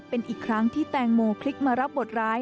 เป็นอีกครั้งที่แตงโมคลิกมารับบทร้าย